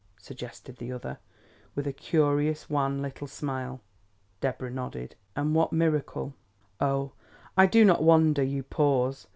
suggested the other, with a curious, wan little smile. Deborah nodded. "And what miracle " "Oh, I do not wonder you pause.